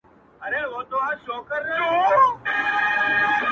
راسره جانانه ‘